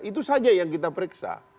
itu saja yang kita periksa